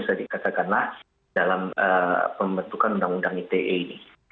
jadi katakanlah dalam pembentukan undang undang ite ini